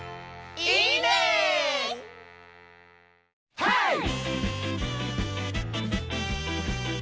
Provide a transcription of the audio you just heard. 「いいねー！」。